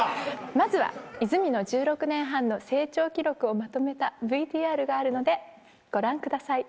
まずは泉の１６年半の成長記録をまとめたＶＴＲがあるのでご覧ください